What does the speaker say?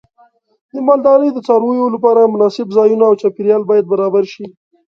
د مالدارۍ د څارویو لپاره مناسب ځایونه او چاپیریال باید برابر شي.